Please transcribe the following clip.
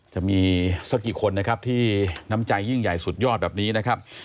จะมีสักกี่คนนะครับที่น้ำใจยิ่งใหญ่สุดยอดแบบนี้นะครับ